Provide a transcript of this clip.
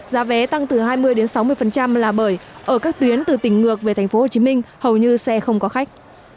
giá vé tăng từ hai mươi sáu mươi là bởi ở các tuyến từ tỉnh ngược về tp hcm hầu như xe không có khách